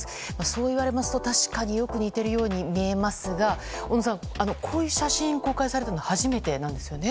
そういわれますと確かによく似ているように見えますが小野さん、こういう写真が公開されたのは初めてなんですよね？